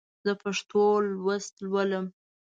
زه پښتو لوست لولم.